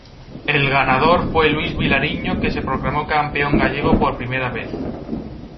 El ganador fue Luis Vilariño que se proclamó campeón gallego por primera vez.